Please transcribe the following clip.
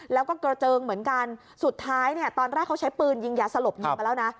แล้วก็กระเจิงเหมือนกันสุดท้ายเนี่ยตอนแรกเขาใช้ปืนยิงยาสลบยิงมาแล้วนะ